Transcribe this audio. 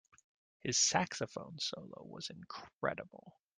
His saxophone solo was incredible.